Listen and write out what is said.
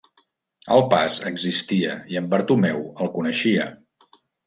El pas existia i en Bartomeu el coneixia.